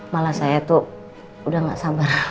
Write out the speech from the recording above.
malah saya tuh udah gak sabar